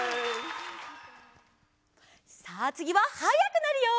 さあつぎははやくなるよ！